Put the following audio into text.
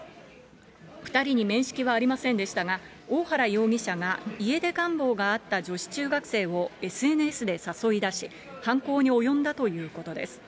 ２人に面識はありませんでしたが、大原容疑者が家出願望があった女子中学生をＳＮＳで誘い出し、犯行に及んだということです。